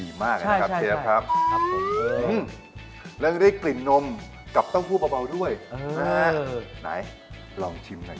สีมากเลยนะครับเชฟครับแล้วได้กลิ่นนมกับเต้าหู้เบาด้วยลองชิมก่อน